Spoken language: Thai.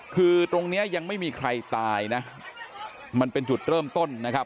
คือตรงเนี้ยยังไม่มีใครตายนะมันเป็นจุดเริ่มต้นนะครับ